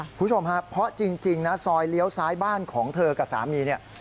คุณผู้ชมฮะเพราะจริงนะซอยเลี้ยวซ้ายบ้านของเธอกับสามีเนี่ย